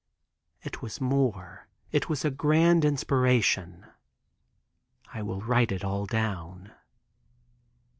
It was more—it was a grand inspiration. I will write it all down.